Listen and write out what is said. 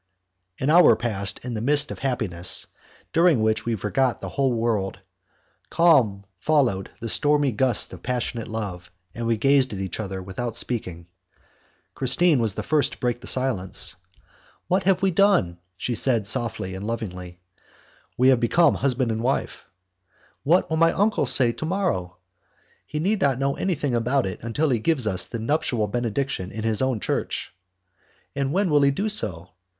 An hour passed in the midst of happiness, during which we forgot the whole world. Calm followed the stormy gusts of passionate love, and we gazed at each other without speaking. Christine was the first to break the silence "What have we done?" she said, softly and lovingly. "We have become husband and wife." "What will my uncle say to morrow?" "He need not know anything about it until he gives us the nuptial benediction in his own church." "And when will he do so?"